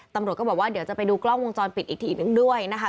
ตำรวจก็บอกว่าเดี๋ยวจะไปดูกล้องวงจรปิดอีกทีนึงด้วยนะคะ